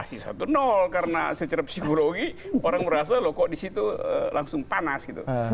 pasti satu nol karena secara psikologi orang merasa kok disitu langsung panas gitu